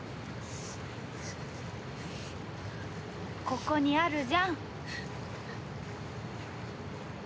ここにあるじゃん！